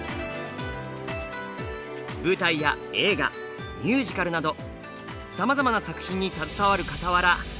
舞台や映画ミュージカルなどさまざまな作品に携わるかたわら